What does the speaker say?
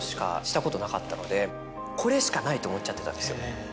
これしかないと思っちゃってたんですよ。